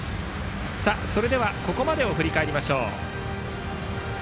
それではここまでを振り返りましょう。